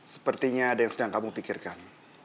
sepertinya ada yang sedang kamu pikirkan